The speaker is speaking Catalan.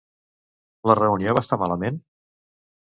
La reunió va estar malament?